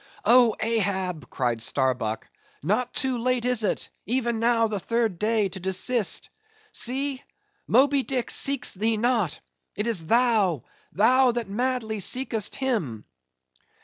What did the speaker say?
"Oh! Ahab," cried Starbuck, "not too late is it, even now, the third day, to desist. See! Moby Dick seeks thee not. It is thou, thou, that madly seekest him!"